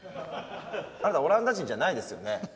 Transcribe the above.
あなたオランダ人じゃないですよね。